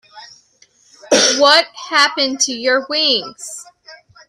What happened to your wings?